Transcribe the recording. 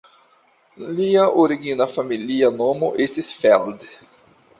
Lia origina familia nomo estis "Feld".